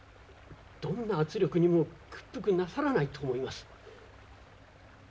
どんな圧力にも屈服なさらないと思います。